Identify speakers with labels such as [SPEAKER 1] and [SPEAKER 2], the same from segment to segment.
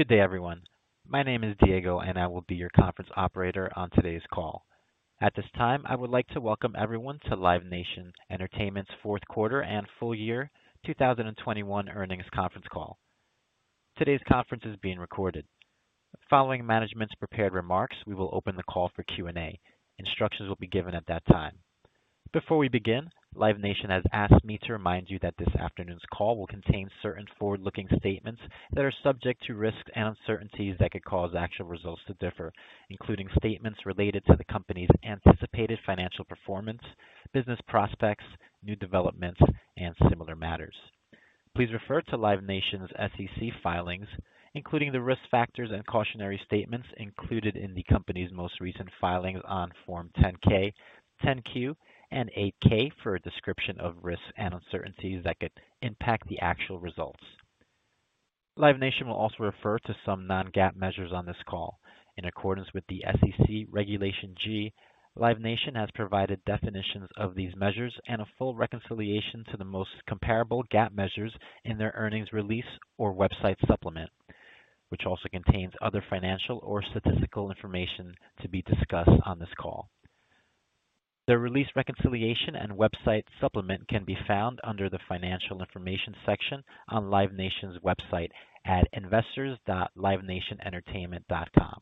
[SPEAKER 1] Good day, everyone. My name is Diego, and I will be your conference operator on today's call. At this time, I would like to welcome everyone to Live Nation Entertainment's fourth quarter and full year 2021 earnings conference call. Today's conference is being recorded. Following management's prepared remarks, we will open the call for Q&A. Instructions will be given at that time. Before we begin, Live Nation has asked me to remind you that this afternoon's call will contain certain forward-looking statements that are subject to risks and uncertainties that could cause actual results to differ, including statements related to the company's anticipated financial performance, business prospects, new developments, and similar matters. Please refer to Live Nation's SEC filings, including the risk factors and cautionary statements included in the company's most recent filings on Form 10-K, 10-Q, and 8-K for a description of risks and uncertainties that could impact the actual results. Live Nation will also refer to some non-GAAP measures on this call. In accordance with the SEC Regulation G, Live Nation has provided definitions of these measures and a full reconciliation to the most comparable GAAP measures in their earnings release or website supplement, which also contains other financial or statistical information to be discussed on this call. The release reconciliation and website supplement can be found under the Financial Information section on Live Nation's website at investors.livenationentertainment.com.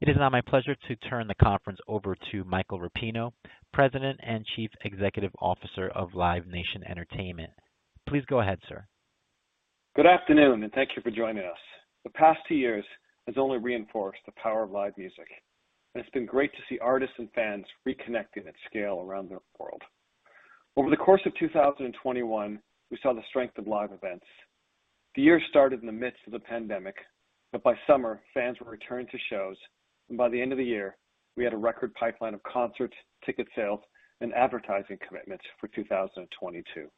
[SPEAKER 1] It is now my pleasure to turn the conference over to Michael Rapino, President and Chief Executive Officer of Live Nation Entertainment. Please go ahead, sir.
[SPEAKER 2] Good afternoon, and thank you for joining us. The past two years has only reinforced the power of live music, and it's been great to see artists and fans reconnecting at scale around the world. Over the course of 2021, we saw the strength of live events. The year started in the midst of the pandemic, but by summer, fans were returning to shows, and by the end of the year, we had a record pipeline of concerts, ticket sales, and advertising commitments for 2022.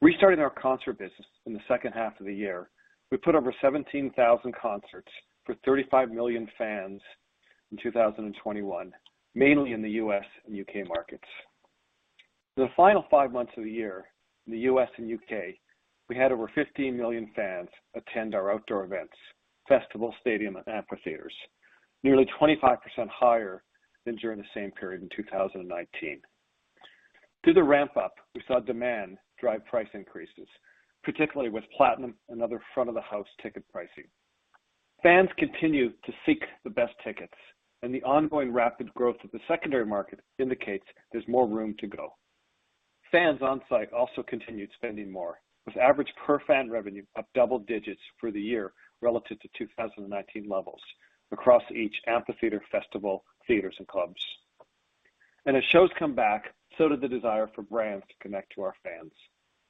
[SPEAKER 2] Restarting our concert business in the second half of the year, we put over 17,000 concerts for 35 million fans in 2021, mainly in the US and UK markets. For the final five months of the year in the U.S. and U.K., we had over 15 million fans attend our outdoor events, festival, stadium, and amphitheaters, nearly 25% higher than during the same period in 2019. Through the ramp up, we saw demand drive price increases, particularly with Platinum and other front of the house ticket pricing. Fans continue to seek the best tickets, and the ongoing rapid growth of the secondary market indicates there's more room to go. Fans on-site also continued spending more, with average per fan revenue up double digits for the year relative to 2019 levels across each amphitheater, festival, theaters, and clubs. As shows come back, so did the desire for brands to connect to our fans.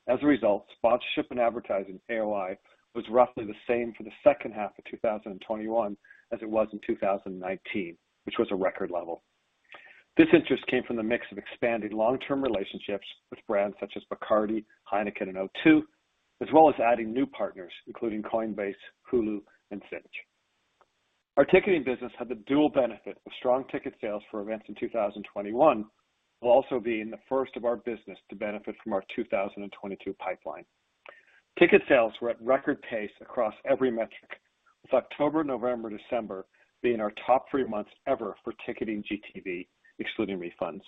[SPEAKER 2] As a result, sponsorship and advertising, AOI, was roughly the same for the second half of 2021 as it was in 2019, which was a record level. This interest came from the mix of expanding long-term relationships with brands such as Bacardi, Heineken, and O2, as well as adding new partners, including Coinbase, Hulu, and cinch. Our ticketing business had the dual benefit of strong ticket sales for events in 2021, while also being the first of our business to benefit from our 2022 pipeline. Ticket sales were at record pace across every metric, with October, November, December being our top three months ever for ticketing GTV, excluding refunds.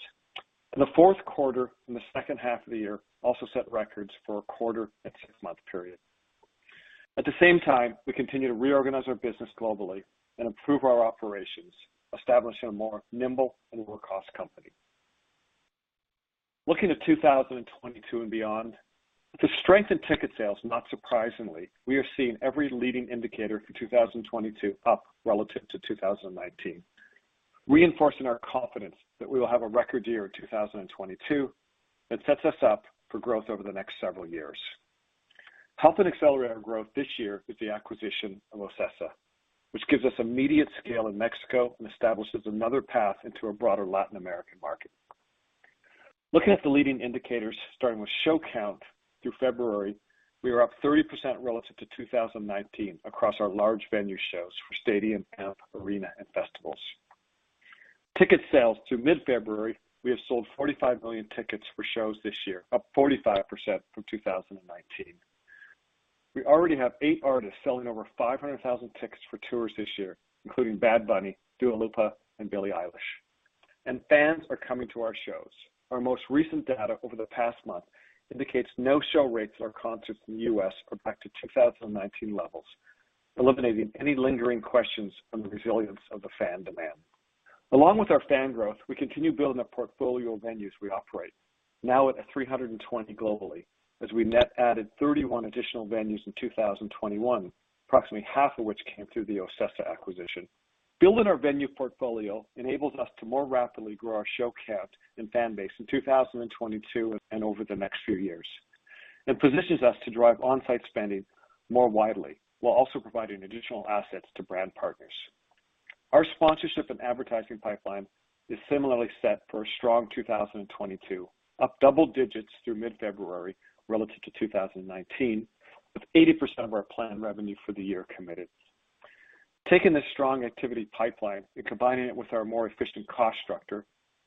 [SPEAKER 2] The fourth quarter and the second half of the year also set records for a quarter and six-month period. At the same time, we continue to reorganize our business globally and improve our operations, establishing a more nimble and lower-cost company. Looking at 2022 and beyond, with the strength in ticket sales, not surprisingly, we are seeing every leading indicator for 2022 up relative to 2019, reinforcing our confidence that we will have a record year in 2022 that sets us up for growth over the next several years. Helping accelerate our growth this year is the acquisition of OCESA, which gives us immediate scale in Mexico and establishes another path into a broader Latin American market. Looking at the leading indicators, starting with show count through February, we are up 30% relative to 2019 across our large venue shows for stadium, amp, arena, and festivals. Ticket sales through mid-February, we have sold 45 million tickets for shows this year, up 45% from 2019. We already have eight artists selling over 500,000 tickets for tours this year, including Bad Bunny, Dua Lipa, and Billie Eilish. Fans are coming to our shows. Our most recent data over the past month indicates no-show rates at our concerts in the U.S. are back to 2019 levels, eliminating any lingering questions on the resilience of the fan demand. Along with our fan growth, we continue building a portfolio of venues we operate, now at 320 globally, as we net added 31 additional venues in 2021, approximately half of which came through the OCESA acquisition. Building our venue portfolio enables us to more rapidly grow our show count and fan base in 2022 and over the next few years. It positions us to drive on-site spending more widely, while also providing additional assets to brand partners. Our sponsorship and advertising pipeline is similarly set for a strong 2022, up double digits through mid-February relative to 2019, with 80% of our planned revenue for the year committed. Taking this strong activity pipeline and combining it with our more efficient cost structure,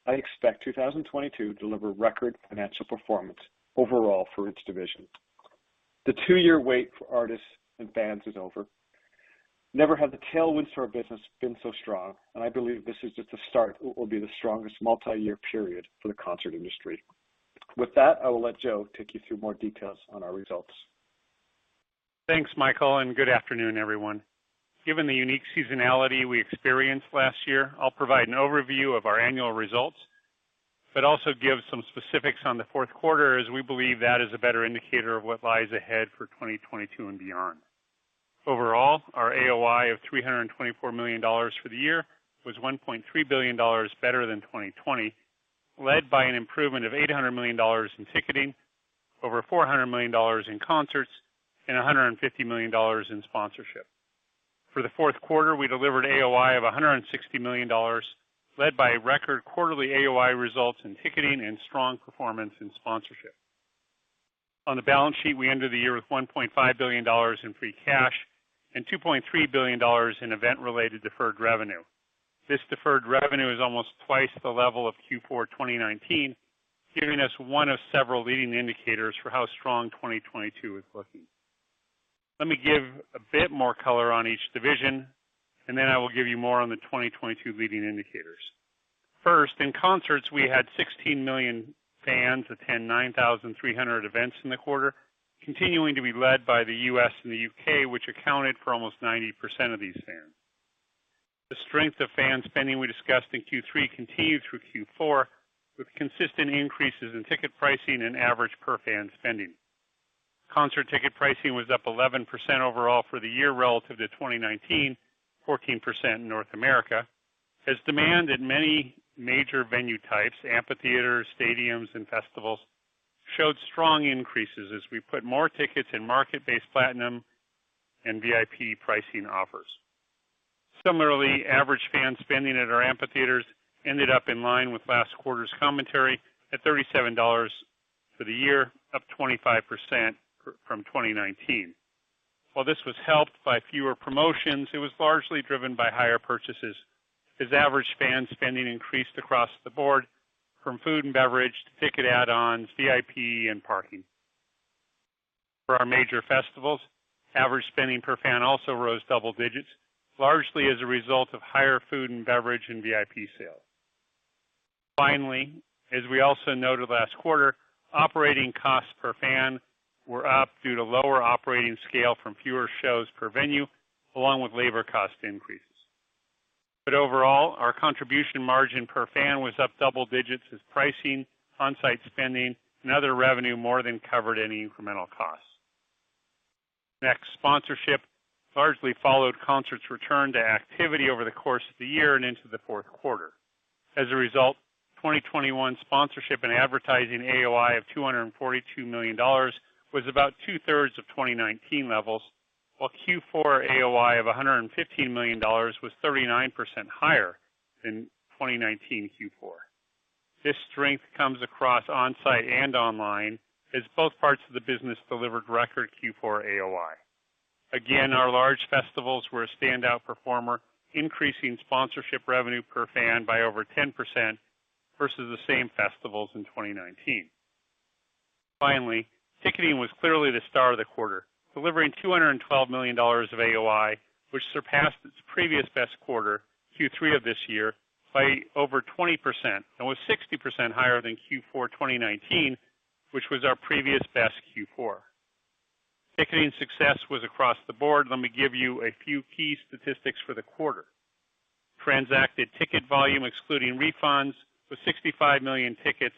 [SPEAKER 2] I expect 2022 to deliver record financial performance overall for each division. The two year wait for artists and bands is over. Never have the tailwinds to our business been so strong, and I believe this is just the start of what will be the strongest multi-year period for the concert industry. With that, I will let Joe take you through more details on our results.
[SPEAKER 3] Thanks, Michael, and good afternoon, everyone. Given the unique seasonality we experienced last year, I'll provide an overview of our annual results, but also give some specifics on the fourth quarter, as we believe that is a better indicator of what lies ahead for 2022 and beyond. Overall, our AOI of $324 million for the year was $1.3 billion better than 2020, led by an improvement of $800 million in ticketing, over $400 million in concerts, and $150 million in sponsorship. For the fourth quarter, we delivered AOI of $160 million, led by record quarterly AOI results in ticketing and strong performance in sponsorship. On the balance sheet, we ended the year with $1.5 billion in free cash and $2.3 billion in event-related deferred revenue. This deferred revenue is almost twice the level of Q4 2019, giving us one of several leading indicators for how strong 2022 is looking. Let me give a bit more color on each division, and then I will give you more on the 2022 leading indicators. First, in concerts, we had 16 million fans attend 9,300 events in the quarter, continuing to be led by the U.S. and the U.K., which accounted for almost 90% of these fans. The strength of fan spending we discussed in Q3 continued through Q4, with consistent increases in ticket pricing and average per-fan spending. Concert ticket pricing was up 11% overall for the year relative to 2019, 14% in North America, as demand in many major venue types, amphitheaters, stadiums, and festivals, showed strong increases as we put more tickets in market-based Platinum and VIP pricing offers. Similarly, average fan spending at our amphitheaters ended up in line with last quarter's commentary at $37 for the year, up 25% from 2019. While this was helped by fewer promotions, it was largely driven by higher purchases as average fan spending increased across the board from food and beverage to ticket add-ons, VIP, and parking. For our major festivals, average spending per fan also rose double digits, largely as a result of higher food and beverage and VIP sales. Finally, as we also noted last quarter, operating costs per fan were up due to lower operating scale from fewer shows per venue, along with labor cost increases. Overall, our contribution margin per fan was up double digits as pricing, on-site spending, and other revenue more than covered any incremental costs. Next, sponsorship largely followed concerts' return to activity over the course of the year and into the fourth quarter. As a result, 2021 sponsorship and advertising AOI of $242 million was about two-thirds of 2019 levels, while Q4 AOI of $115 million was 39% higher than 2019 Q4. This strength comes across on-site and online, as both parts of the business delivered record Q4 AOI. Again, our large festivals were a standout performer, increasing sponsorship revenue per fan by over 10% versus the same festivals in 2019. Finally, ticketing was clearly the star of the quarter, delivering $212 million of AOI, which surpassed its previous best quarter, Q3 of this year, by over 20% and was 60% higher than Q4 2019, which was our previous best Q4. Ticketing success was across the board. Let me give you a few key statistics for the quarter. Transacted ticket volume, excluding refunds, was 65 million tickets,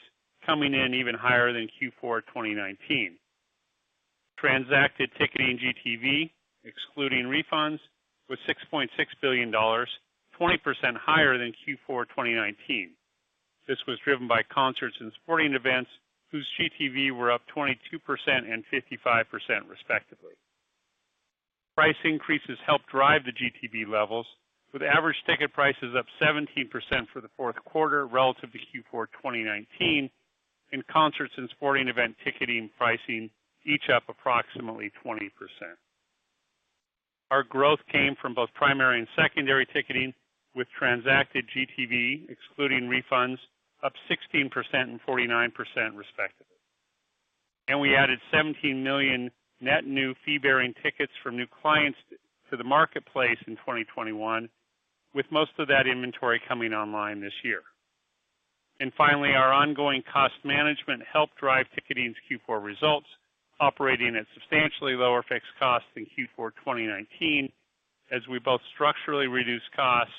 [SPEAKER 3] coming in even higher than Q4 2019. Transacted ticketing GTV, excluding refunds, was $6.6 billion, 20% higher than Q4 2019. This was driven by concerts and sporting events whose GTV were up 22% and 55% respectively. Price increases helped drive the GTV levels, with average ticket prices up 17% for the fourth quarter relative to Q4 2019, and concerts and sporting event ticketing pricing each up approximately 20%. Our growth came from both primary and secondary ticketing, with transacted GTV, excluding refunds, up 16% and 49% respectively. We added 17 million net new fee-bearing tickets from new clients to the marketplace in 2021, with most of that inventory coming online this year. Finally, our ongoing cost management helped drive ticketing's Q4 results, operating at substantially lower fixed costs than Q4 2019 as we both structurally reduced costs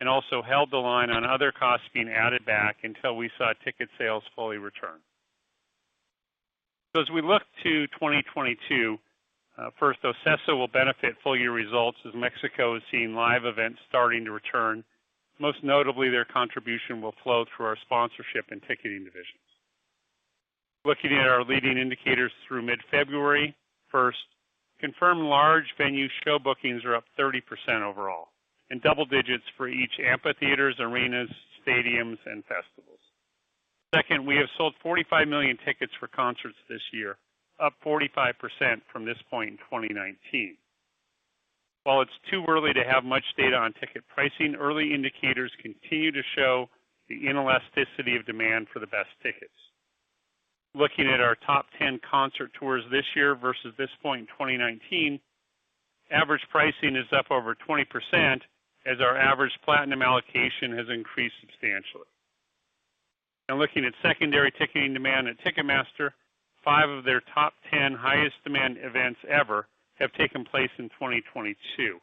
[SPEAKER 3] and also held the line on other costs being added back until we saw ticket sales fully return. As we look to 2022, first, OCESA will benefit full-year results as Mexico is seeing live events starting to return. Most notably, their contribution will flow through our sponsorship and ticketing divisions. Looking at our leading indicators through mid-February, first, confirmed large venue show bookings are up 30% overall and double digits for each amphitheaters, arenas, stadiums, and festivals. Second, we have sold 45 million tickets for concerts this year, up 45% from this point in 2019. While it's too early to have much data on ticket pricing, early indicators continue to show the inelasticity of demand for the best tickets. Looking at our top 10 concert tours this year versus this point in 2019, average pricing is up over 20% as our average Platinum allocation has increased substantially. Now looking at secondary ticketing demand at Ticketmaster, five of their top 10 highest demand events ever have taken place in 2022,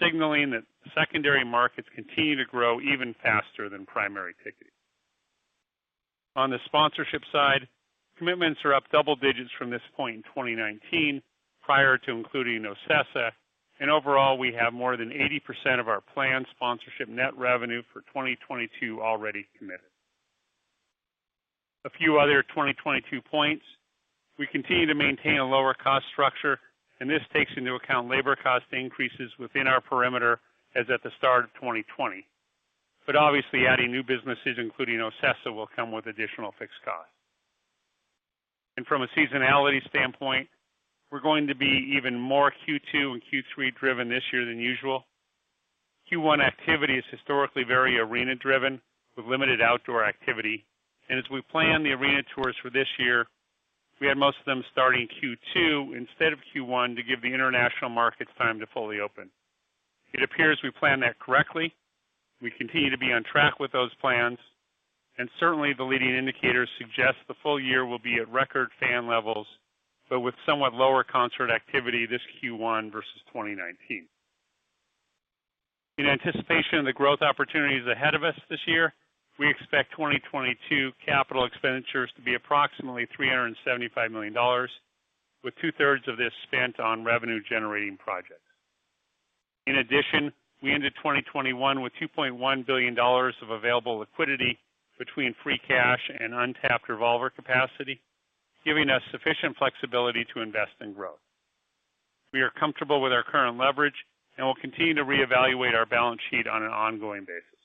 [SPEAKER 3] signaling that secondary markets continue to grow even faster than primary ticketing. On the sponsorship side, commitments are up double digits from this point in 2019 prior to including OCESA. Overall, we have more than 80% of our planned sponsorship net revenue for 2022 already committed. A few other 2022 points. We continue to maintain a lower cost structure, and this takes into account labor cost increases within our parameters as at the start of 2020. Obviously, adding new businesses, including OCESA, will come with additional fixed costs. From a seasonality standpoint, we're going to be even more Q2 and Q3 driven this year than usual. Q1 activity is historically very arena-driven with limited outdoor activity. As we plan the arena tours for this year, we had most of them starting Q2 instead of Q1 to give the international markets time to fully open. It appears we planned that correctly. We continue to be on track with those plans, and certainly the leading indicators suggest the full year will be at record fan levels, but with somewhat lower concert activity this Q1 versus 2019. In anticipation of the growth opportunities ahead of us this year, we expect 2022 capital expenditures to be approximately $375 million, with two-thirds of this spent on revenue-generating projects. In addition, we ended 2021 with $2.1 billion of available liquidity between free cash and untapped revolver capacity, giving us sufficient flexibility to invest in growth. We are comfortable with our current leverage and will continue to reevaluate our balance sheet on an ongoing basis.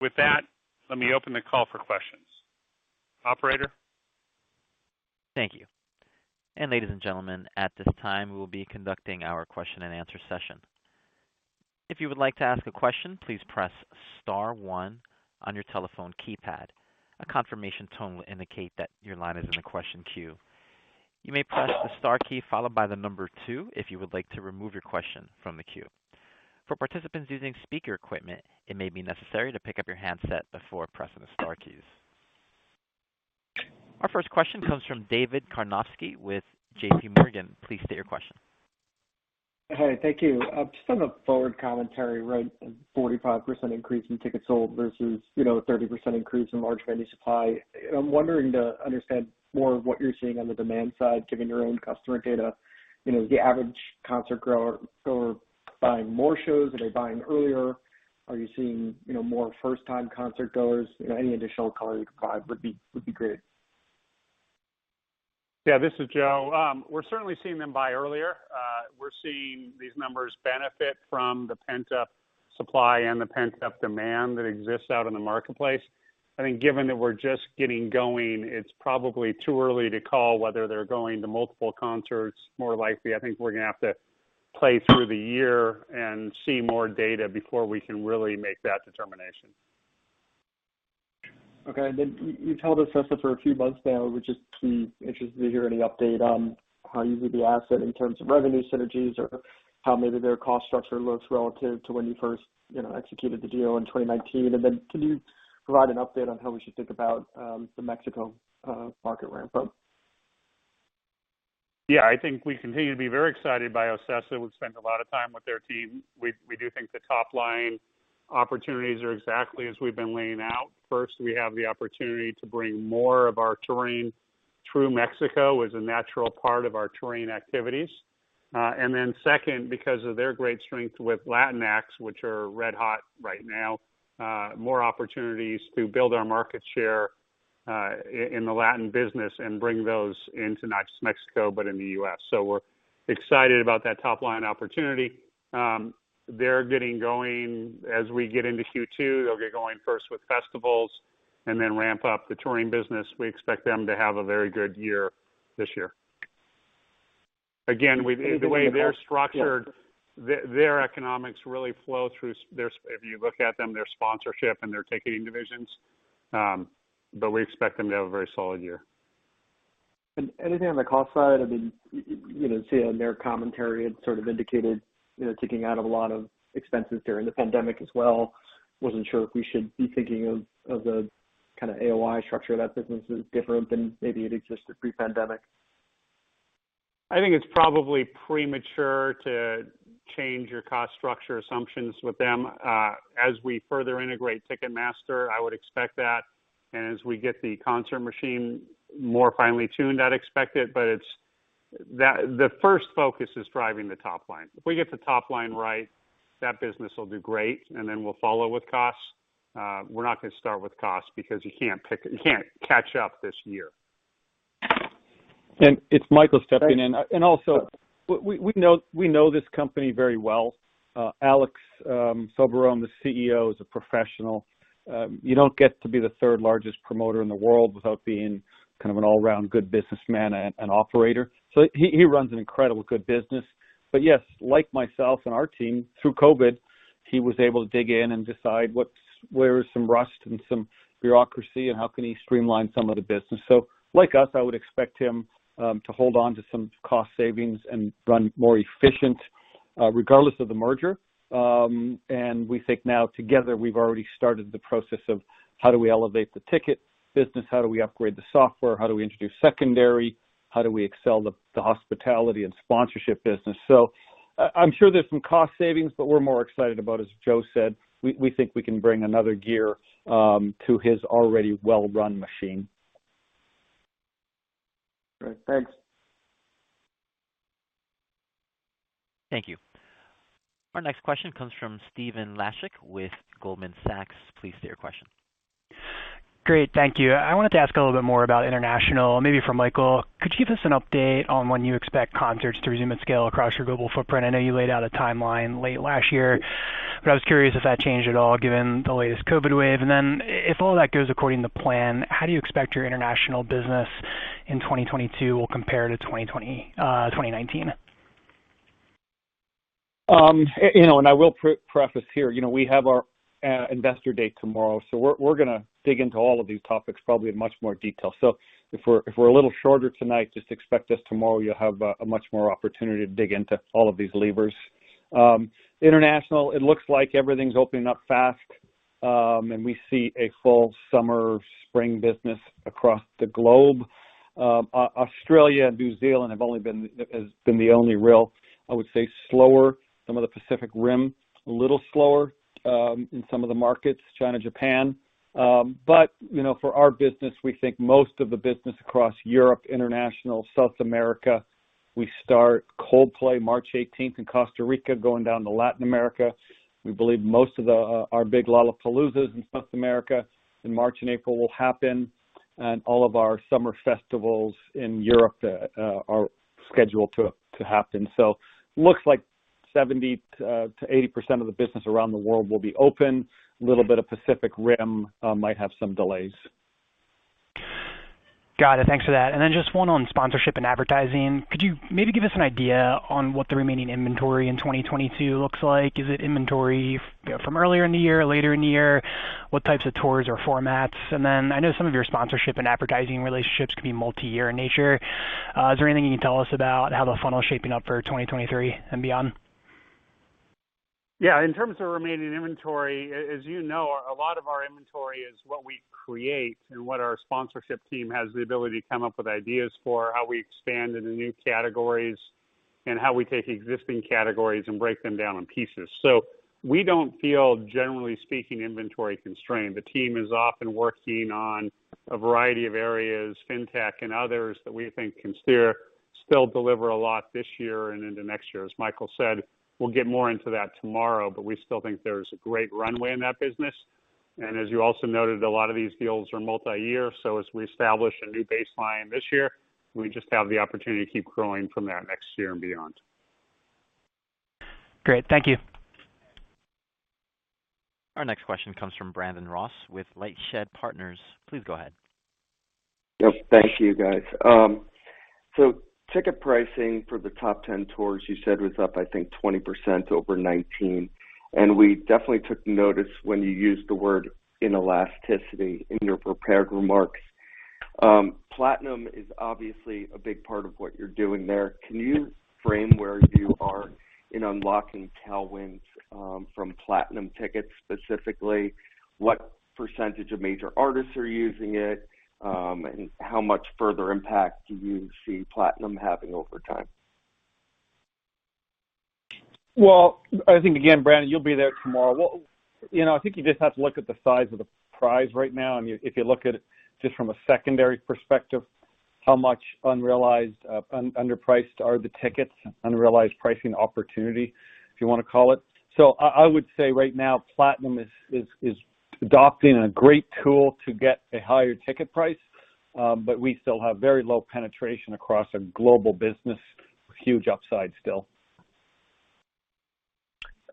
[SPEAKER 3] With that, let me open the call for questions. Operator.
[SPEAKER 1] Thank you. Ladies and gentlemen, at this time, we will be conducting our question-and-answer session. If you would like to ask a question, please press star one on your telephone keypad. A confirmation tone will indicate that your line is in the question queue. You may press the star key followed by the number two if you would like to remove your question from the queue. For participants using speaker equipment, it may be necessary to pick up your handset before pressing the star keys. Our first question comes from David Karnovsky with J.P. Morgan. Please state your question.
[SPEAKER 4] Hey, thank you. Just on the forward commentary, right, a 45% increase in tickets sold versus, you know, a 30% increase in large venue supply. I'm wondering to understand more of what you're seeing on the demand side, given your own customer data. You know, the average concertgoer buying more shows. Are they buying earlier? Are you seeing, you know, more first-time concertgoers? You know, any additional color you could provide would be great.
[SPEAKER 3] Yeah, this is Joe. We're certainly seeing them buy earlier. We're seeing these numbers benefit from the pent-up supply and the pent-up demand that exists out in the marketplace. I think given that we're just getting going, it's probably too early to call whether they're going to multiple concerts more likely. I think we're gonna have to play through the year and see more data before we can really make that determination.
[SPEAKER 4] Okay. You've held OCESA for a few months now, which is key. I'm interested to hear any update on how you view the asset in terms of revenue synergies or how maybe their cost structure looks relative to when you first, you know, executed the deal in 2019. Can you provide an update on how we should think about the Mexico market ramp-up?
[SPEAKER 3] Yeah. I think we continue to be very excited by OCESA. We've spent a lot of time with their team. We do think the top line opportunities are exactly as we've been laying out. First, we have the opportunity to bring more of our touring through Mexico as a natural part of our touring activities. Second, because of their great strength with Latin acts, which are red-hot right now, more opportunities to build our market share in the Latin business and bring those into not just Mexico, but in the U.S. We're excited about that top-line opportunity. They're getting going as we get into Q2. They'll get going first with festivals and then ramp up the touring business. We expect them to have a very good year this year. Again, with the way they're structured, their economics really flow through their sponsorship and their ticketing divisions, but we expect them to have a very solid year.
[SPEAKER 4] Anything on the cost side? I mean, you know, seeing their commentary had sort of indicated, you know, taking out a lot of expenses during the pandemic as well. Wasn't sure if we should be thinking of the kinda AOI structure of that business is different than maybe it existed pre-pandemic.
[SPEAKER 3] I think it's probably premature to change your cost structure assumptions with them. As we further integrate Ticketmaster, I would expect that. As we get the concert machine more finely tuned, I'd expect it, but the first focus is driving the top line. If we get the top line right, that business will do great, and then we'll follow with costs. We're not gonna start with costs because you can't catch up this year.
[SPEAKER 2] It's Michael stepping in. We know this company very well. Alex Soberón, the CEO, is a professional. You don't get to be the third largest promoter in the world without being kind of an all-round good businessman and operator. He runs an incredibly good business. Yes, like myself and our team through COVID, he was able to dig in and decide where some rust and some bureaucracy is, and how can he streamline some of the business. Like us, I would expect him to hold on to some cost savings and run more efficient, regardless of the merger. We think now together, we've already started the process of how do we elevate the ticket business, how do we upgrade the software, how do we introduce secondary, how do we accelerate the hospitality and sponsorship business. I'm sure there's some cost savings, but we're more excited about, as Joe said, we think we can bring another gear to his already well-run machine.
[SPEAKER 4] Great. Thanks.
[SPEAKER 1] Thank you. Our next question comes from Stephen Laszczyk with Goldman Sachs. Please state your question.
[SPEAKER 5] Great. Thank you. I wanted to ask a little bit more about international, maybe from Michael. Could you give us an update on when you expect concerts to resume at scale across your global footprint? I know you laid out a timeline late last year, but I was curious if that changed at all given the latest COVID wave. If all that goes according to plan, how do you expect your international business in 2022 will compare to 2019?
[SPEAKER 2] You know, I will preface here, you know, we have our investor day tomorrow, so we're gonna dig into all of these topics probably in much more detail. If we're a little shorter tonight, just expect us tomorrow, you'll have a much more opportunity to dig into all of these levers. International, it looks like everything's opening up fast, and we see a full summer spring business across the globe. Australia and New Zealand has been the only real, I would say, slower. Some of the Pacific Rim, a little slower, in some of the markets, China, Japan. You know, for our business, we think most of the business across Europe, international, South America, we start Coldplay March 18 in Costa Rica, going down to Latin America. We believe most of our big Lollapaloozas in South America in March and April will happen, and all of our summer festivals in Europe are scheduled to happen. Looks like 70%-80% of the business around the world will be open. A little bit of Pacific Rim might have some delays.
[SPEAKER 5] Got it. Thanks for that. Just one on sponsorship and advertising. Could you maybe give us an idea on what the remaining inventory in 2022 looks like? Is it inventory from earlier in the year or later in the year? What types of tours or formats? I know some of your sponsorship and advertising relationships can be multi-year in nature. Is there anything you can tell us about how the funnel is shaping up for 2023 and beyond?
[SPEAKER 3] Yeah. In terms of remaining inventory, as you know, a lot of our inventory is what we create and what our sponsorship team has the ability to come up with ideas for, how we expand into new categories, and how we take existing categories and break them into pieces. We don't feel, generally speaking, inventory constrained. The team is often working on a variety of areas, fintech and others that we think can still deliver a lot this year and into next year. As Michael said, we'll get more into that tomorrow, but we still think there's a great runway in that business. As you also noted, a lot of these deals are multi-year, so as we establish a new baseline this year, we just have the opportunity to keep growing from that next year and beyond.
[SPEAKER 5] Great. Thank you.
[SPEAKER 1] Our next question comes from Brandon Ross with LightShed Partners. Please go ahead.
[SPEAKER 6] Yep. Thank you, guys. Ticket pricing for the top 10 tours you said was up, I think, 20% over 2019. We definitely took notice when you used the word inelasticity in your prepared remarks. Platinum is obviously a big part of what you're doing there. Can you frame where you are in unlocking tailwinds from Platinum tickets, specifically what percentage of major artists are using it, and how much further impact do you see Platinum having over time?
[SPEAKER 2] Well, I think, again, Brandon, you'll be there tomorrow. Well, you know, I think you just have to look at the size of the prize right now. I mean, if you look at it just from a secondary perspective, how much unrealized, un-underpriced are the tickets, unrealized pricing opportunity, if you wanna call it. I would say right now, Platinum is adopting a great tool to get a higher ticket price. But we still have very low penetration across a global business. Huge upside still.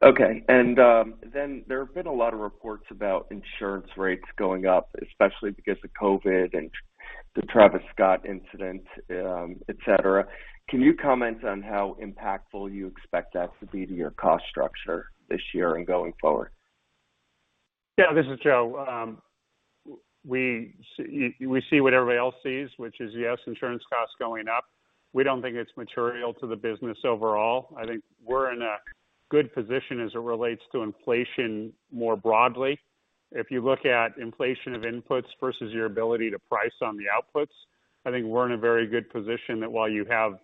[SPEAKER 6] Okay. There have been a lot of reports about insurance rates going up, especially because of COVID and the Travis Scott incident, et cetera. Can you comment on how impactful you expect that to be to your cost structure this year and going forward?
[SPEAKER 3] Yeah, this is Joe. We see what everybody else sees, which is, yes, insurance costs going up. We don't think it's material to the business overall. I think we're in a good position as it relates to inflation more broadly. If you look at inflation of inputs versus your ability to price on the outputs, I think we're in a very good position that while you have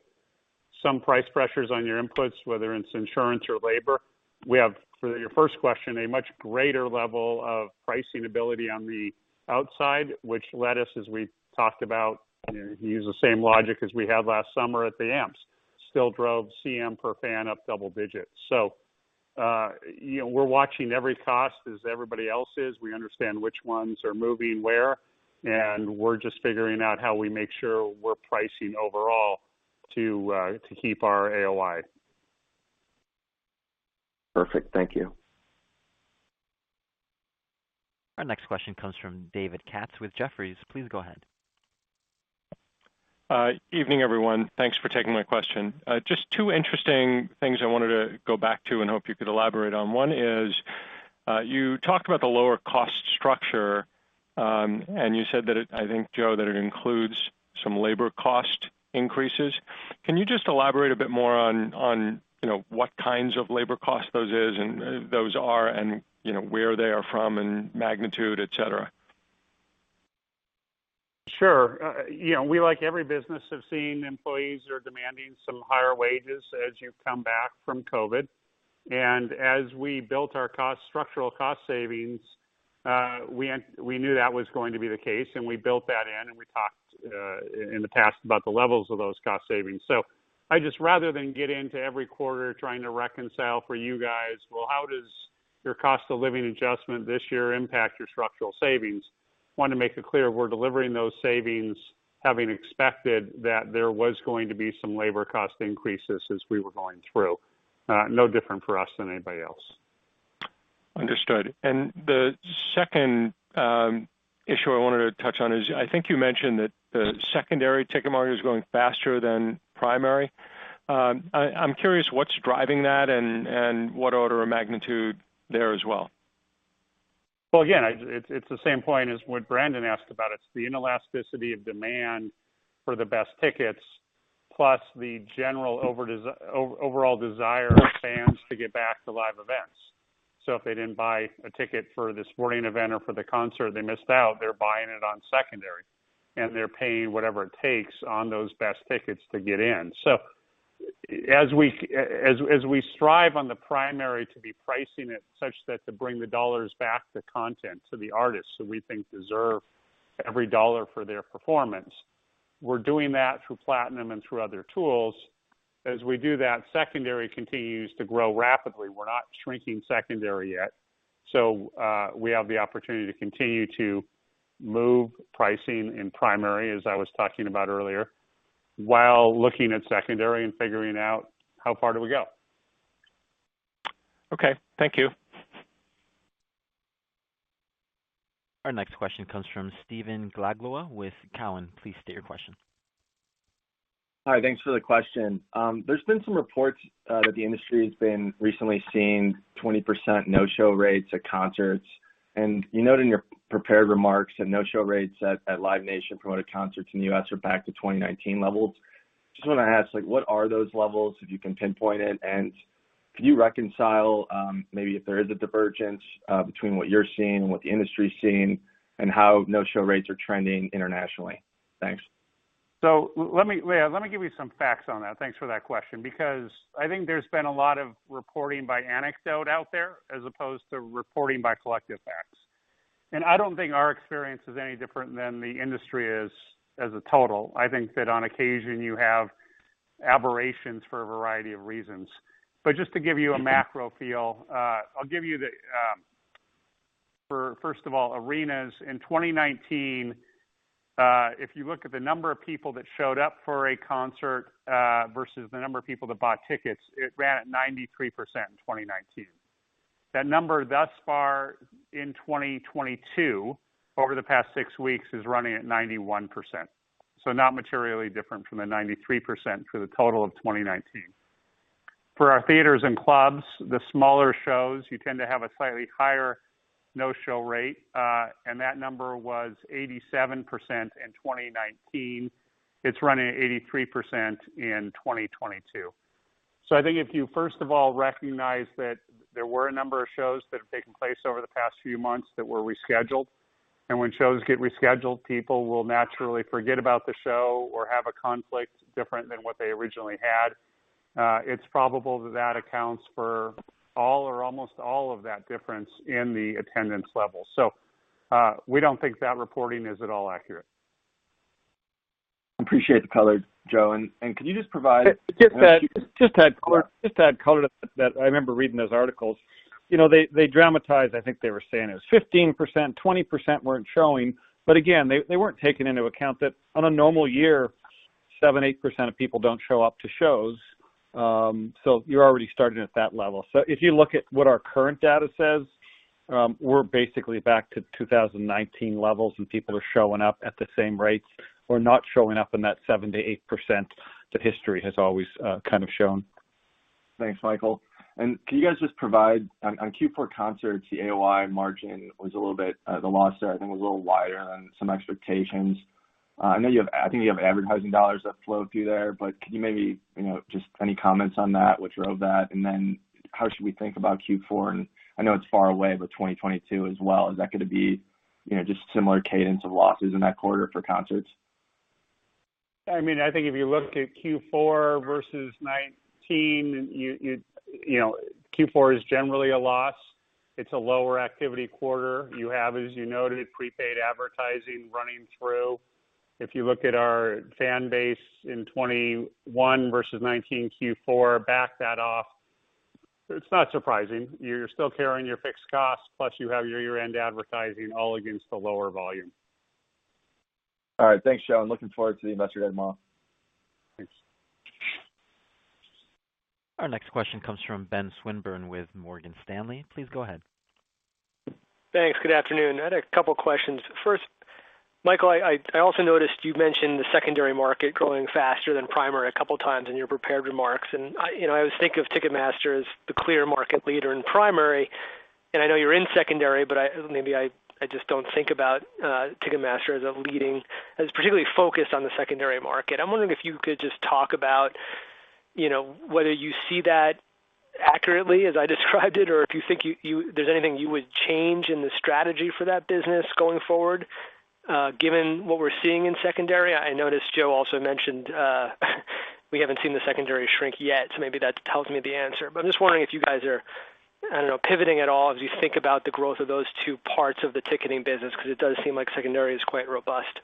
[SPEAKER 3] some price pressures on your inputs, whether it's insurance or labor, we have, for your first question, a much greater level of pricing ability on the outside, which led us, as we talked about, you know, use the same logic as we had last summer at the Amps, still drove CM per fan up double digits. You know, we're watching every cost as everybody else is. We understand which ones are moving where, and we're just figuring out how we make sure we're pricing overall to keep our AOI.
[SPEAKER 6] Perfect. Thank you.
[SPEAKER 1] Our next question comes from David Katz with Jefferies. Please go ahead.
[SPEAKER 7] Evening, everyone. Thanks for taking my question. Just two interesting things I wanted to go back to and hope you could elaborate on. One is, you talked about the lower cost structure, and you said that I think, Joe, that it includes some labor cost increases. Can you just elaborate a bit more on, you know, what kinds of labor costs those are and, you know, where they are from and magnitude, et cetera?
[SPEAKER 3] Sure. You know, we, like every business, have seen employees are demanding some higher wages as you come back from COVID. As we built our structural cost savings, we knew that was going to be the case, and we built that in, and we talked in the past about the levels of those cost savings. I'd just rather than get into every quarter trying to reconcile for you guys, well, how does your cost of living adjustment this year impact your structural savings? Wanted to make it clear we're delivering those savings, having expected that there was going to be some labor cost increases as we were going through. No different for us than anybody else.
[SPEAKER 7] Understood. The second issue I wanted to touch on is I think you mentioned that the secondary ticket market is growing faster than primary. I'm curious what's driving that and what order of magnitude there as well.
[SPEAKER 3] Well, again, it's the same point as what Brandon asked about. It's the inelasticity of demand for the best tickets, plus the general overall desire of fans to get back to live events. If they didn't buy a ticket for the sporting event or for the concert, they missed out, they're buying it on secondary, and they're paying whatever it takes on those best tickets to get in. As we strive on the primary to be pricing it such that to bring the dollars back to content, to the artists who we think deserve every dollar for their performance, we're doing that through Platinum and through other tools. As we do that, secondary continues to grow rapidly. We're not shrinking secondary yet. We have the opportunity to continue to move pricing in primary, as I was talking about earlier, while looking at secondary and figuring out how far do we go.
[SPEAKER 7] Okay, thank you.
[SPEAKER 1] Our next question comes from Stephen Glagola with Cowen. Please state your question.
[SPEAKER 8] Hi. Thanks for the question. There's been some reports that the industry has been recently seeing 20% no-show rates at concerts. You note in your prepared remarks that no-show rates at Live Nation-promoted concerts in the U.S. are back to 2019 levels. Just wanna ask, like, what are those levels, if you can pinpoint it? Can you reconcile, maybe if there is a divergence, between what you're seeing and what the industry is seeing and how no-show rates are trending internationally? Thanks.
[SPEAKER 3] Let me give you some facts on that. Thanks for that question. Because I think there's been a lot of reporting by anecdote out there as opposed to reporting by collective facts. I don't think our experience is any different than the industry is as a total. I think that on occasion, you have aberrations for a variety of reasons. Just to give you a macro feel, I'll give you, first of all, arenas in 2019, if you look at the number of people that showed up for a concert, versus the number of people that bought tickets, it ran at 93% in 2019. That number thus far in 2022 over the past six weeks is running at 91%. Not materially different from the 93% for the total of 2019. For our theaters and clubs, the smaller shows, you tend to have a slightly higher no-show rate, and that number was 87% in 2019. It's running at 83% in 2022. I think if you first of all recognize that there were a number of shows that have taken place over the past few months that were rescheduled, and when shows get rescheduled, people will naturally forget about the show or have a conflict different than what they originally had, it's probable that that accounts for all or almost all of that difference in the attendance level. We don't think that reporting is at all accurate.
[SPEAKER 8] appreciate the color, Joe. Can you just provide-
[SPEAKER 2] To add color to that, I remember reading those articles. You know, they dramatized. I think they were saying it was 15%-20% weren't showing. They weren't taking into account that in a normal year, 7%-8% of people don't show up to shows. You're already starting at that level. If you look at what our current data says, we're basically back to 2019 levels, and people are showing up at the same rates or not showing up in that 7%-8% that history has always kind of shown.
[SPEAKER 8] Thanks, Michael. Can you guys just provide on Q4 concerts, the AOI margin was a little bit, the loss there, I think, was a little wider than some expectations. I think you have advertising dollars that flow through there, but can you maybe, you know, just any comments on that, which drove that? Then how should we think about Q4? I know it's far away, but 2022 as well. Is that gonna be, you know, just similar cadence of losses in that quarter for concerts?
[SPEAKER 3] I mean, I think if you look at Q4 versus 2019, you know, Q4 is generally a loss. It's a lower activity quarter. You have, as you noted, prepaid advertising running through. If you look at our fan base in 2021 versus 2019 Q4, back that off, it's not surprising. You're still carrying your fixed costs, plus you have your year-end advertising all against the lower volume.
[SPEAKER 8] All right. Thanks, Joe. I'm looking forward to the Investor Day tomorrow.
[SPEAKER 3] Thanks.
[SPEAKER 1] Our next question comes from Ben Swinburne with Morgan Stanley. Please go ahead.
[SPEAKER 9] Thanks. Good afternoon. I had a couple of questions. First, Michael, I also noticed you mentioned the secondary market growing faster than primary a couple of times in your prepared remarks. I, you know, I always think of Ticketmaster as the clear market leader in primary, and I know you're in secondary, but maybe I just don't think about Ticketmaster as particularly focused on the secondary market. I'm wondering if you could just talk about, you know, whether you see that accurately as I described it, or if you think there's anything you would change in the strategy for that business going forward, given what we're seeing in secondary. I noticed Joe also mentioned we haven't seen the secondary shrink yet, so maybe that tells me the answer. I'm just wondering if you guys are, I don't know, pivoting at all as you think about the growth of those two parts of the ticketing business, because it does seem like secondary is quite robust.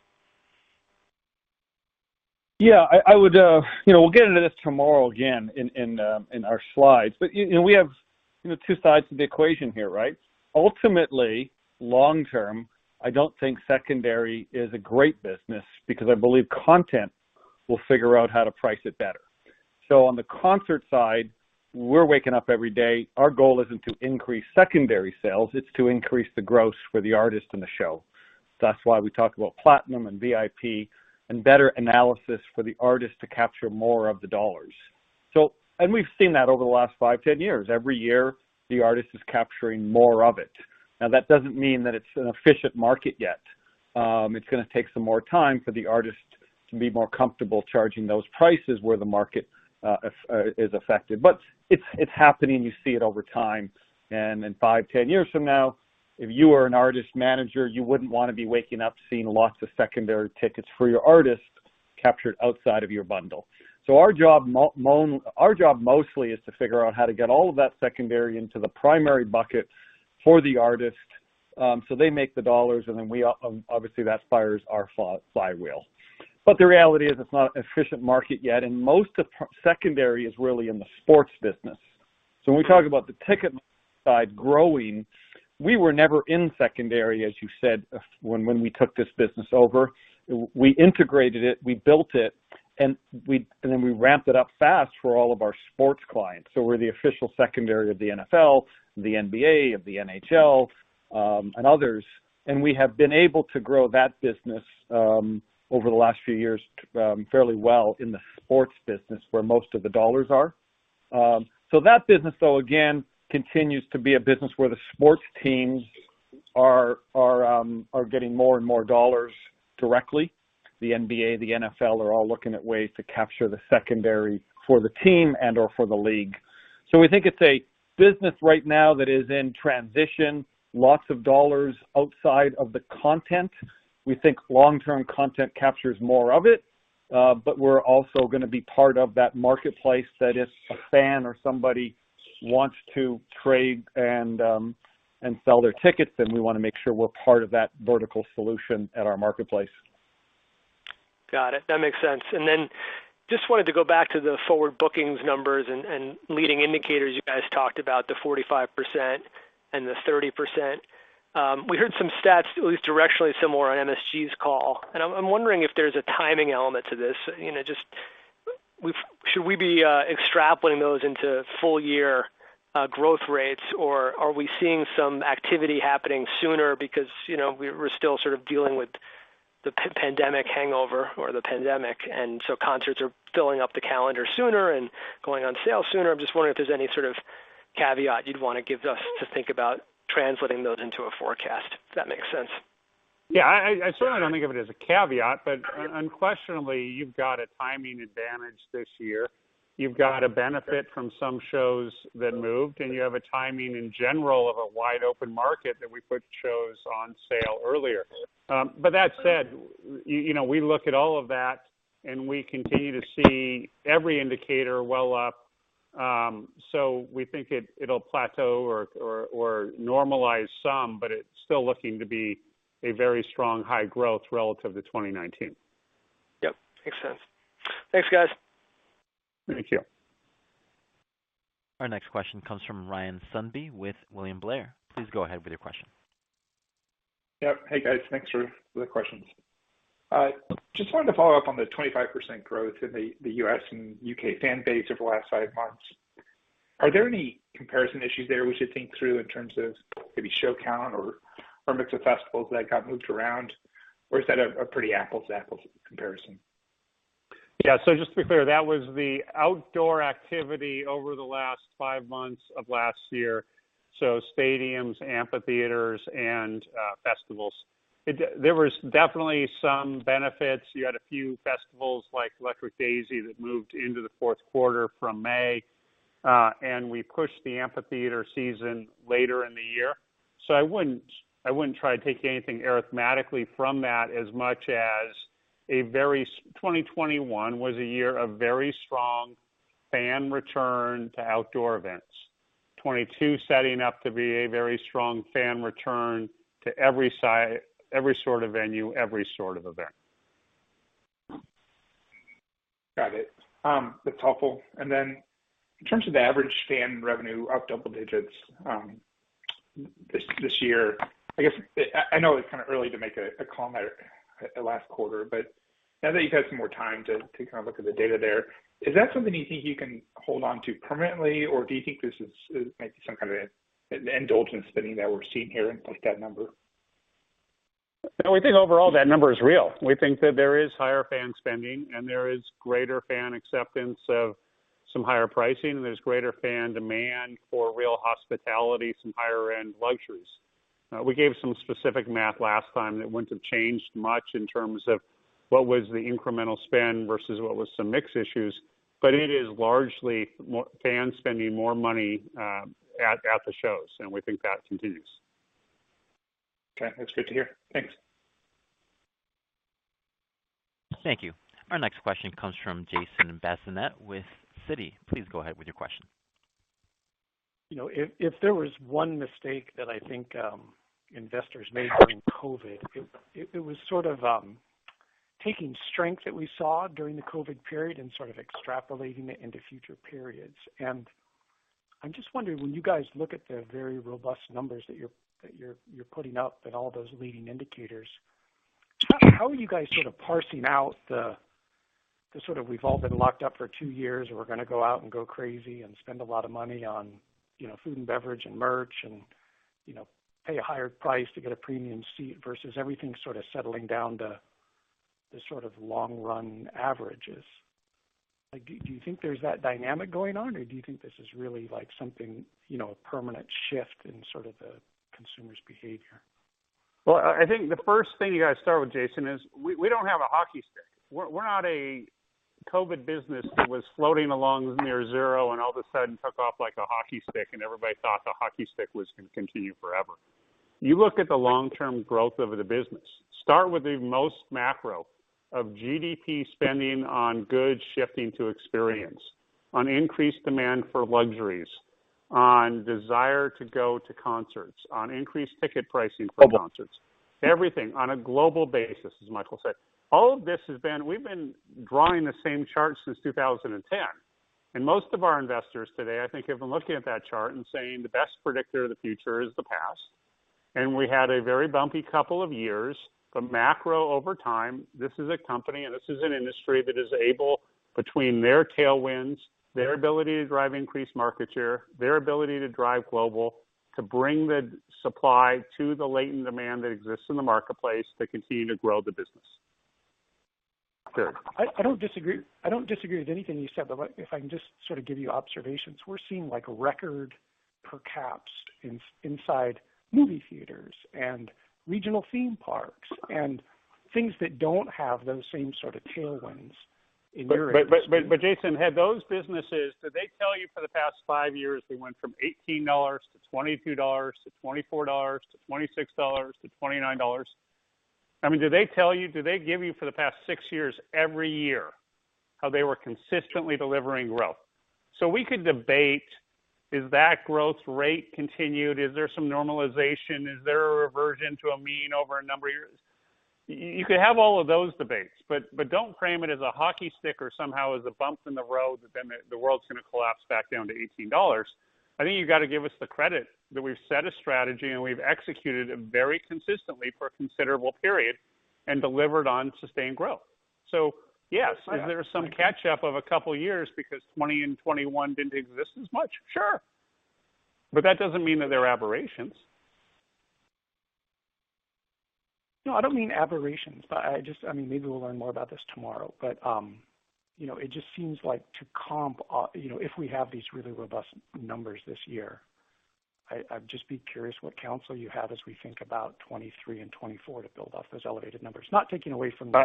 [SPEAKER 2] I would. You know, we'll get into this tomorrow again in our slides. You know, we have two sides to the equation here, right? Ultimately, long term, I don't think secondary is a great business because I believe content will figure out how to price it better. On the concert side, we're waking up every day. Our goal isn't to increase secondary sales, it's to increase the gross for the artist and the show. That's why we talk about Platinum and VIP and better analysis for the artist to capture more of the dollars. We've seen that over the last five, 10 years. Every year, the artist is capturing more of it. Now, that doesn't mean that it's an efficient market yet. It's gonna take some more time for the artist to be more comfortable charging those prices where the market is affected. It's happening. You see it over time. In five, 10 years from now, if you were an artist manager, you wouldn't wanna be waking up seeing lots of secondary tickets for your artist captured outside of your bundle. Our job mostly is to figure out how to get all of that secondary into the primary bucket for the artist, so they make the dollars, and then we obviously that inspires our flywheel. The reality is it's not an efficient market yet, and most of secondary is really in the sports business. When we talk about the ticket side growing, we were never in secondary, as you said, when we took this business over. We integrated it, we built it, and then we ramped it up fast for all of our sports clients. We're the official secondary of the NFL, the NBA, of the NHL, and others. We have been able to grow that business over the last few years fairly well in the sports business where most of the dollars are. That business, though, again, continues to be a business where the sports teams are getting more and more dollars directly. The NBA, the NFL are all looking at ways to capture the secondary for the team and/or for the league. We think it's a business right now that is in transition. Lots of dollars outside of the content. We think long-term content captures more of it, but we're also gonna be part of that marketplace that if a fan or somebody wants to trade and sell their tickets, then we wanna make sure we're part of that vertical solution at our marketplace.
[SPEAKER 9] Got it. That makes sense. Just wanted to go back to the forward bookings numbers and leading indicators you guys talked about, the 45% and the 30%. We heard some stats, at least directionally similar on MSG's call. I'm wondering if there's a timing element to this. You know, should we be extrapolating those into full-year growth rates, or are we seeing some activity happening sooner because, you know, we're still sort of dealing with the pandemic hangover or the pandemic, and so concerts are filling up the calendar sooner and going on sale sooner? I'm just wondering if there's any sort of caveat you'd want to give us to think about translating those into a forecast, if that makes sense.
[SPEAKER 2] Yeah. I certainly don't think of it as a caveat, but unquestionably, you've got a timing advantage this year. You've got a benefit from some shows that moved, and you have a timing in general of a wide open market that we put shows on sale earlier. That said, you know, we look at all of that and we continue to see every indicator well up. We think it'll plateau or normalize some, but it's still looking to be a very strong high growth relative to 2019.
[SPEAKER 9] Yep. Makes sense. Thanks, guys.
[SPEAKER 2] Thank you.
[SPEAKER 1] Our next question comes from Ryan Sundby with William Blair. Please go ahead with your question.
[SPEAKER 10] Yep. Hey, guys. Thanks for the questions. Just wanted to follow up on the 25% growth in the US and UK fan base over the last five months. Are there any comparison issues there we should think through in terms of maybe show count or mix of festivals that got moved around? Or is that a pretty apples to apples comparison?
[SPEAKER 3] Yeah. Just to be clear, that was the outdoor activity over the last five months of last year, so stadiums, amphitheaters, and festivals. There was definitely some benefits. You had a few festivals like Electric Daisy that moved into the fourth quarter from May, and we pushed the amphitheater season later in the year. I wouldn't try to take anything arithmetically from that as much as a very 2021 was a year of very strong fan return to outdoor events. 2022 setting up to be a very strong fan return to every sort of venue, every sort of event.
[SPEAKER 10] Got it. That's helpful. Then in terms of the average fan revenue up double digits, this year, I guess, I know it's kinda early to make a call on that at last quarter, but now that you've had some more time to kind of look at the data there, is that something you think you can hold on to permanently, or do you think this is maybe some kind of an indulgence spending that we're seeing here in like that number?
[SPEAKER 3] No, we think overall that number is real. We think that there is higher fan spending, and there is greater fan acceptance of some higher pricing, and there's greater fan demand for real hospitality, some higher-end luxuries. We gave some specific math last time that wouldn't have changed much in terms of what was the incremental spend versus what was some mix issues. But it is largely more fans spending more money at the shows, and we think that continues.
[SPEAKER 10] Okay. That's good to hear. Thanks.
[SPEAKER 1] Thank you. Our next question comes from Jason Bazinet with Citi. Please go ahead with your question.
[SPEAKER 11] You know, if there was one mistake that I think investors made during COVID, it was sort of taking strength that we saw during the COVID period and sort of extrapolating it into future periods. I'm just wondering, when you guys look at the very robust numbers that you're putting up and all those leading indicators, how are you guys sort of parsing out the sort of we've all been locked up for two years and we're gonna go out and go crazy and spend a lot of money on, you know, food and beverage and merch and, you know, pay a higher price to get a premium seat versus everything sort of settling down to the sort of long run averages? Like, do you think there's that dynamic going on, or do you think this is really like something, you know, a permanent shift in sort of the consumer's behavior?
[SPEAKER 3] Well, I think the first thing you gotta start with, Jason, is we don't have a hockey stick. We're not a COVID business that was floating along near zero and all of a sudden took off like a hockey stick, and everybody thought the hockey stick was gonna continue forever. You look at the long-term growth of the business. Start with the most macro of GDP spending on goods shifting to experience, on increased demand for luxuries, on desire to go to concerts, on increased ticket pricing for concerts. Everything on a global basis, as Michael said. All of this has been. We've been drawing the same chart since 2010. Most of our investors today, I think, have been looking at that chart and saying the best predictor of the future is the past. We had a very bumpy couple of years, but macro over time, this is a company and this is an industry that is able, between their tailwinds, their ability to drive increased market share, their ability to drive global, to bring the supply to the latent demand that exists in the marketplace to continue to grow the business.
[SPEAKER 11] Good. I don't disagree with anything you said. Like if I can just sort of give you observations. We're seeing like record per caps inside movie theaters and regional theme parks and things that don't have those same sort of tailwinds in your industry.
[SPEAKER 3] Jason, had those businesses, did they tell you for the past five years they went from $18 to $22 to $24 to $26 to $29? I mean, do they tell you, do they give you for the past six years every year how they were consistently delivering growth? We could debate, is that growth rate continued? Is there some normalization? Is there a reversion to a mean over a number of years? You could have all of those debates, don't frame it as a hockey stick or somehow as a bump in the road that then the world's gonna collapse back down to $18. I think you've got to give us the credit that we've set a strategy, and we've executed it very consistently for a considerable period and delivered on sustained growth. Yes.
[SPEAKER 11] I-
[SPEAKER 3] There is some catch up of a couple of years because 2020 and 2021 didn't exist as much. Sure. That doesn't mean that they're aberrations.
[SPEAKER 11] No, I don't mean aberrations, but I just I mean, maybe we'll learn more about this tomorrow. You know, it just seems like to comp, you know, if we have these really robust numbers this year, I'd just be curious what counsel you have as we think about 2023 and 2024 to build off those elevated numbers. Not taking away from the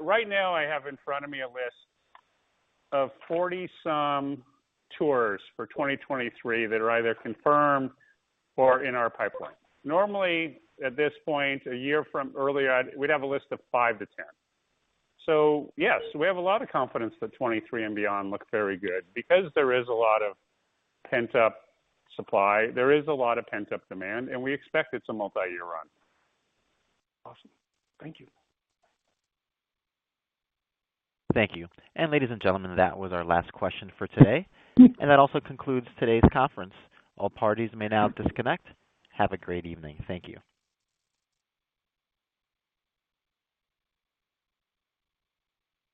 [SPEAKER 3] Right now I have in front of me a list of 40-some tours for 2023 that are either confirmed or in our pipeline. Normally, at this point, a year from earlier, we'd have a list of five to 10. Yes, we have a lot of confidence that 2023 and beyond look very good. Because there is a lot of pent-up supply, there is a lot of pent-up demand, and we expect it's a multi-year run.
[SPEAKER 11] Awesome. Thank you.
[SPEAKER 1] Thank you. Ladies and gentlemen, that was our last question for today. That also concludes today's conference. All parties may now disconnect. Have a great evening. Thank you.